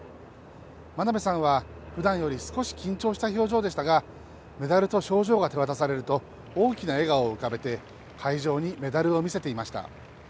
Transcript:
真鍋さんは、ふだんより少し緊張した表情でしたが、メダルと賞状が手渡されると、大きな笑顔を浮かべて、会場にメダルを見せていました。